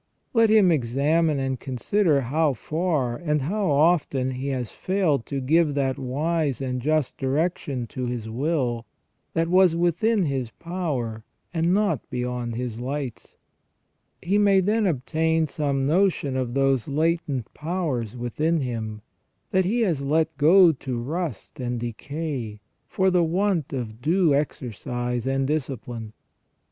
Let him examine and consider how far and how often he has failed to give that wise and just direction to his will that was within his power and not beyond his lights ; he may then obtain some notion of those latent powers within him that he has let go to rust and decay for the want of due exercise and discipline.